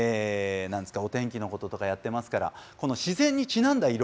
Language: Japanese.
何ですかお天気のこととかやってますからこの自然にちなんだ色。